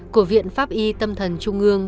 của viện pháp y tâm thần trung ương